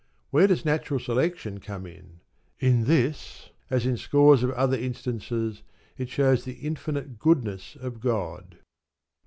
Where does natural selection come in? In this, as in scores of other instances, it shows the infinite goodness of God.